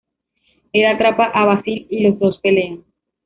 El atrapa a Basil y los dos pelean.